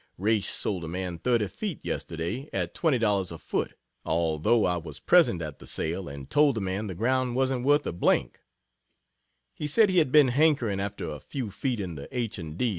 Raish sold a man 30 feet, yesterday, at $20 a foot, although I was present at the sale, and told the man the ground wasn't worth a d n. He said he had been hankering after a few feet in the H. and D.